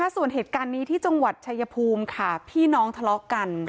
ส่วนเหตุการณ์นี้ที่จังหวัดชายภูมิค่ะพี่น้องทะเลาะกัน